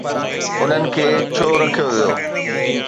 انهن کي ڇو رکيو ويو؟